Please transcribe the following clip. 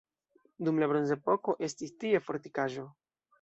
Dum la bronzepoko estis tie fortikaĵo.